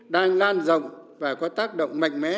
đang lan rộng và có tác động mạnh mẽ